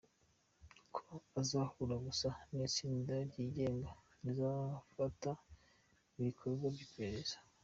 Ko azahura gusa n'itsinda ryigenga rizafata ibikorwa by'iperereza.